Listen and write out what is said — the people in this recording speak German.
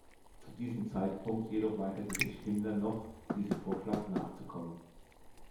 Zu diesem Zeitpunkt jedoch weigerte sich Himmler noch, diesem Vorschlag nachzukommen.